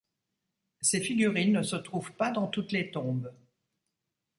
Ces figurines ne se trouvent pas dans toutes les tombes.